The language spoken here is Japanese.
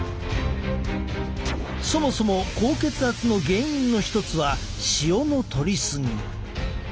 そもそも高血圧の原因の一つは塩のとり過ぎ。